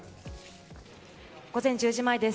午前１０時前です。